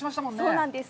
そうなんです。